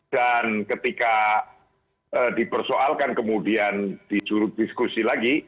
dan ketika dipersoalkan kemudian dicurut diskusi lagi